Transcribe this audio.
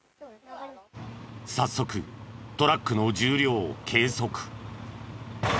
早速トラックの重量を計測。